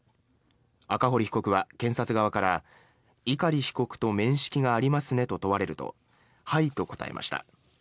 赤堀被告は検察側から碇被告と面識がありますねと問われるとはいと答えました。